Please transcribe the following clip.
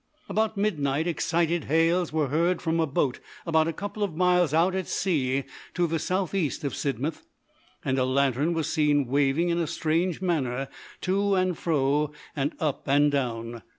About midnight excited hails were heard from a boat about a couple of miles out at sea to the south east of Sidmouth, and a lantern was seen waving in a strange manner to and fro and up and down.